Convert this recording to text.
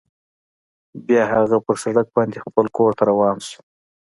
بیا هغه په سړک باندې خپل کور ته روان شو